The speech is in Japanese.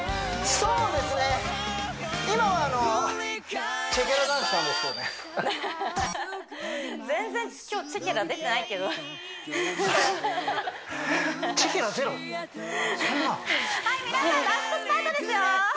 そんなはい皆さんラストスパートですよ